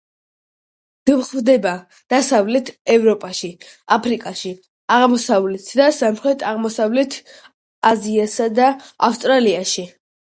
გვხვდება დასავლეთ ევროპაში, აფრიკაში, აღმოსავლეთ და სამხრეთ-აღმოსავლეთ აზიასა და ავსტრალიაში.